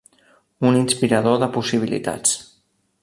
Un inspirador de possibilitats.